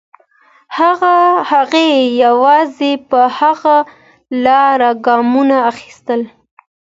هغې یوازې په هغه لاره ګامونه اخیستل.